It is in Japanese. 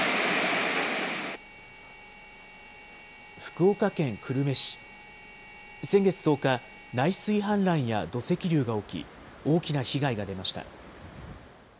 福岡県久留米市、先月１０日、内水氾濫や土石流が起き、大きな被害が出ました。